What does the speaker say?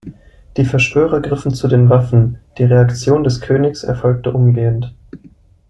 Die Verschwörer griffen zu den Waffen, die Reaktion des Königs erfolgte umgehend.